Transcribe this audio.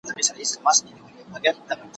زه به سبا د يادښتونه بشپړوم